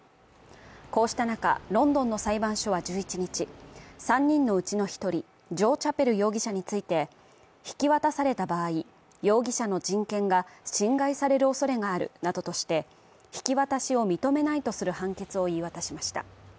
こうした中、ロンドンの裁判所は１１日、３人のうちの１人、ジョー・チャペル容疑者について引き渡された場合、容疑者の人権が侵害されるおそれがあるなどとして引き渡しを認めないとする判決を言い渡しました。